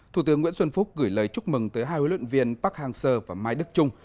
thủ tướng nguyễn xuân phúc gửi lời chúc mừng tới hai huấn luyện viên park hang seo và mai đức trung